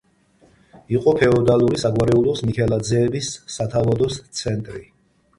იყო ფეოდალური საგვარეულოს მიქელაძეების სათავადოს ცენტრი.